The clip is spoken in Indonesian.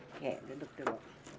oke duduk dulu